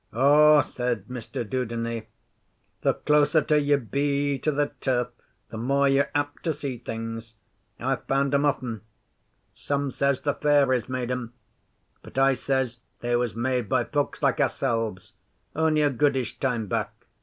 'Oh,' said Mr Dudeney, 'the closeter you be to the turf the more you're apt to see things. I've found 'em often. Some says the fairies made 'em, but I says they was made by folks like ourselves only a goodish time back.